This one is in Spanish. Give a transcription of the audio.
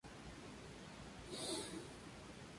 Igual ocurre con los hippies.